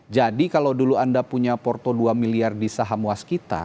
jadi kalau dulu anda punya porto dua miliar di saham waskita